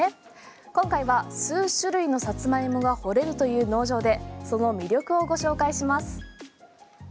今回は数種類のサツマイモが掘れるという農場でその魅力をご紹介します。